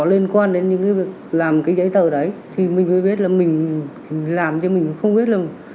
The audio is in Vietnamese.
nên quan đến những việc làm cái giấy tờ đấy thì mình mới biết là mình làm cho mình không biết là